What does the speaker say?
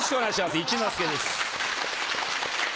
一之輔です。